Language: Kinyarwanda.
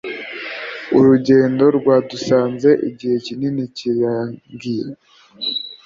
urugendo rwadusanze. igihe kinini kirangiye